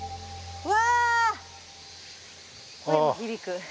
うわ。